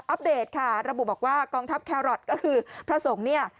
เดตค่ะระบุบอกว่ากองทัพแครอทก็คือพระสงฆ์เนี่ย